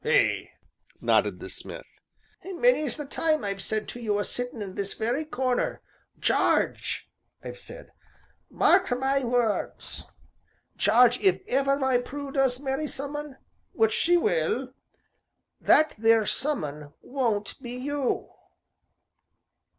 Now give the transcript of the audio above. "Ay," nodded the smith. "Many's the time I've said to you a sittin' in this very corner, 'Jarge,' I've said, 'mark my words, Jarge if ever my Prue does marry some'un which she will that there some 'un won't be you.'